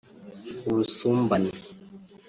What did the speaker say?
ubusumbane